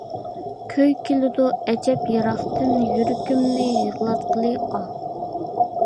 كۈي كېلىدۇ ئەجەب يىراقتىن، يۈرىكىمنى يىغلاتقىلى ئاھ!